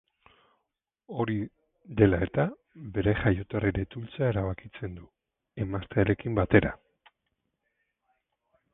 Hori dela eta, bere jaioterrira itzultzea erabakitzen du, emaztearekin batera.